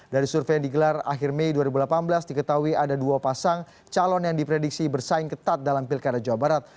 dari survei yang digelar akhir mei dua ribu delapan belas diketahui ada dua pasang calon yang diprediksi bersaing ketat dalam pilkada jawa barat